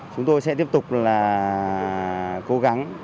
chúng tôi sẽ tiếp tục là cố gắng